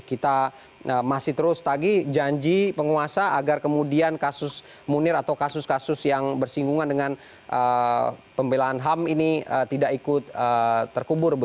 kita masih terus tadi janji penguasa agar kemudian kasus munir atau kasus kasus yang bersinggungan dengan pembelaan ham ini tidak ikut terkubur